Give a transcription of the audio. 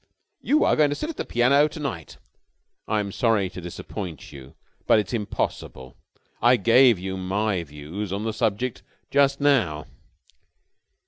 You are going to sit at the piano to night." "I'm sorry to disappoint you, but it's impossible. I gave you my views on the subject just now."